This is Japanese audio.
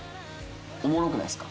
おもろくないですか？